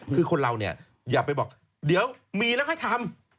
คือคนเราอยากไปบอกเดี๋ยวมีแล้วให้ทำ